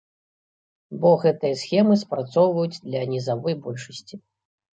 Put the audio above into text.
Бо гэтыя схемы спрацоўваюць для нізавой большасці.